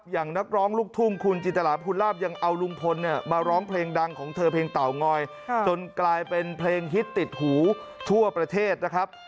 อย่างนักร้องลูกทุ่งคุณจินตราภูลาภยังเอาลุงพลเนี่ยมาร้องเพลงดังของเธอเพลงเตางอยจนกลายเป็นเพลงฮิตติดหูทั่วประเทศนะครับ